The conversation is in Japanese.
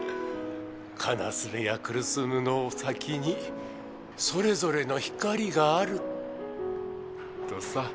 「悲しみや苦しみの先にそれぞれの光がある」とさ。